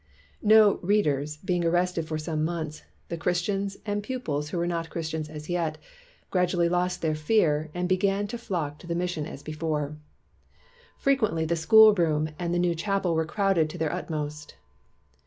No "readers" being arrested for some 221 WHITE MAN OF WORK months, the Christians, and pupils who were not Christians as yet, gradually lost their fear and began to flock to the mission as before. Frequently, the school room and the new chapel were crowded to their ut most.